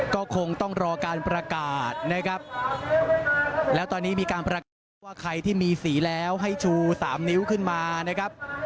ก็คงต้องรอการประกาศนะครับแล้วตอนนี้มีการประกาศว่าใครที่มีสีแล้วให้ชู๓นิ้วขึ้นมานะครับ